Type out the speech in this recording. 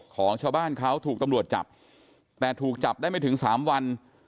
ของชาวบ้านเขาถูกตำรวจจับแต่ถูกจับได้ไม่ถึงสามวัน